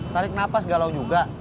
tarik nafas galau juga